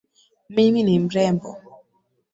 Mimi ni mrembo